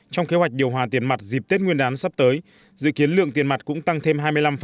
trong kế hoạch điều hòa tiền mặt dịp tết nguyên đán sắp tới dự kiến lượng tiền mặt cũng tăng thêm hai mươi năm